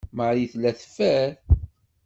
Marie tella teffer.